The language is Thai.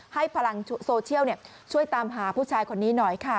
ให้พลังโซเชียลช่วยตามหาผู้ชายคนนี้หน่อยค่ะ